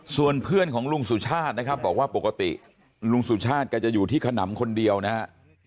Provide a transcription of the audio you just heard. ส่วนเพื่อนของลุงสุชาตินะครับบอกว่าปกติลุงสุชาติแกจะอยู่ที่ขนำคนเดียวนะฮะ